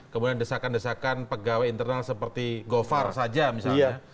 kemudian desakan desakan pegawai internal seperti govar saja misalnya